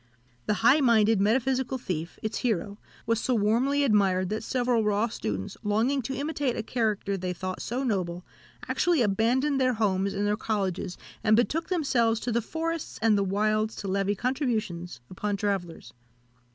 The high minded, metaphysical thief, its hero, was so warmly admired, that several raw students, longing to imitate a character they thought so noble, actually abandoned their homes and their colleges, and betook themselves to the forests and the wilds to levy contributions upon travellers.